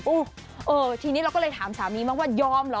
เออทีนี้เราก็เลยถามสามีบ้างว่ายอมเหรอ